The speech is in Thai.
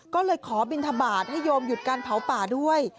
ก็เลยขอบินทบาทให้โยมหยุดการเผาป่าด้วย